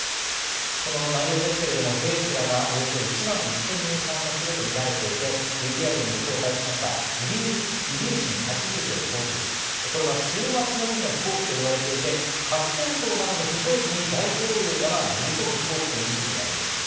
内容ですけれど、兵士らがおよそ１万１０００人参加するとみられていて、ＶＴＲでもご紹介しました、イリューシン８０という航空機、これは終末の日の飛行機と言われていて核戦争などの非常時に大統領らが乗り込む飛行機と言われています。